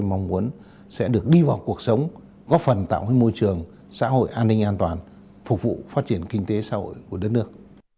mong muốn sẽ được đi vào cuộc sống góp phần tạo môi trường xã hội an ninh an toàn phục vụ phát triển kinh tế xã hội của đất nước